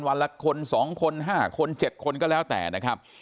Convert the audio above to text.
วันละคน๒คน๕คน๗คนก็แล้วแต่นะครับ